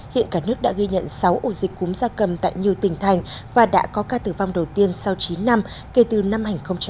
hiện cả nước đã ghi nhận sáu ổ dịch cúm gia cầm tại nhiều tỉnh thành và đã có ca tử vong đầu tiên sau chín năm kể từ năm hai nghìn một mươi ba